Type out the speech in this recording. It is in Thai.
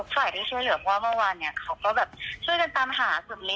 ฝ่ายที่เชื้อเหลือพ่อเมื่อวานเขาก็ช่วยกันตามหาสมฤทธิ์